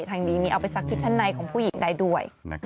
ทางดีมีเอาไปซักชุดชั้นในของผู้หญิงได้ด้วย